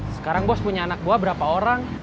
sekarang bos punya anak buah berapa orang